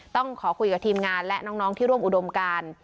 ต้องขอคุยกับทีมงานและน้องที่ร่วมอุดมการ